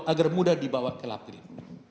agar mudah dibawa ke laprim